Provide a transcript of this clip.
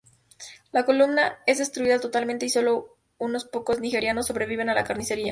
La columna es destruida totalmente y solo unos pocos nigerianos sobreviven a la carnicería.